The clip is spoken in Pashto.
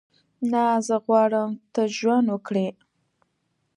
نه، زه غواړم ته ژوند وکړې.